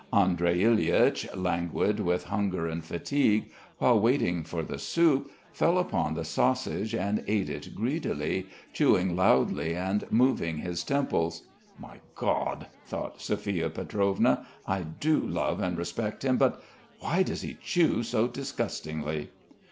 Andrey Ilyitch, languid with hunger and fatigue, while waiting for the soup, fell upon the sausage and ate it greedily, chewing loudly and moving his temples. "My God," thought Sophia Pietrovna. "I do love and respect him, but ... why does he chew so disgustingly."